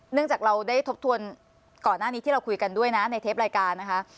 จากเราได้ทบทวนก่อนหน้านี้ที่เราคุยกันด้วยนะในเทปรายการนะคะ